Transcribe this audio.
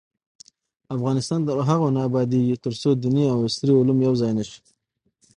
افغانستان تر هغو نه ابادیږي، ترڅو دیني او عصري علوم یو ځای نشي.